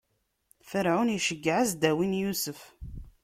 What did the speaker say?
Ferɛun iceggeɛ ad as-d-awin Yusef.